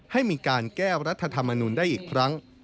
ให้มีการแก้รัฐธรรมนุนได้อีกครั้ง